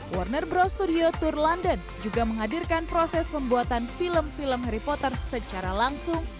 warner brow studio tour london juga menghadirkan proses pembuatan film film harry potter secara langsung